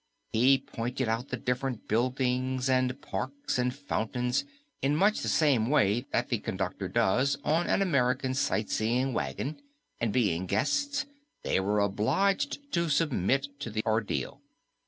He pointed out the different buildings and parks and fountains in much the same way that the conductor does on an American "sightseeing wagon" does, and being guests they were obliged to submit to the ordeal.